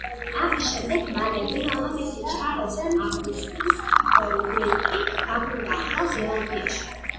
ამის შემდეგ მალევე, მამამისი, ჩარლზ ავგუსტუს უეიკი, დაბრუნდა ახალ ზელანდიაში.